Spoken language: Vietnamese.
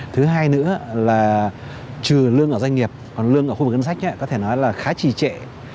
thứ hai nữa là trừ lương ở doanh nghiệp còn lương ở khu vực ngân sách có thể nói là khá trì trệ